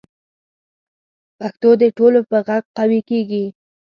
پښتو د ټولو په غږ قوي کېږي.